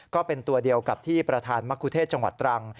ก็เป็นตัวเดียวกับที่ประธานมะคุเทศจังหวัดตรัง